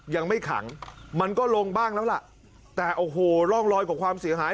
ยังไม่ขังมันก็ลงบ้างแล้วล่ะแต่โอ้โหร่องรอยของความเสียหาย